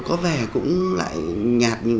có vẻ cũng lại nhạt